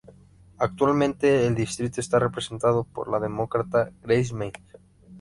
Actualmente el distrito está representado por la Demócrata Grace Meng.